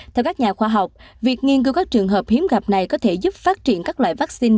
theo các nhà khoa học việc nghiên cứu các trường hợp hiếm gặp này có thể giúp phát triển các loại vaccine